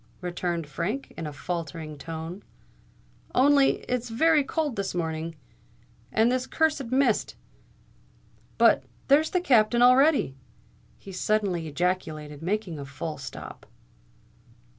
returned Frank, in a faltering tone. "Only it's very cold this morning—and this cursed mist——But there's the Captain already!" he suddenly ejaculated, making a full stop.